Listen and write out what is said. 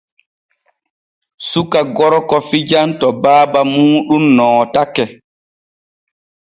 Suka gorko fijan to baaba muuɗum nootake.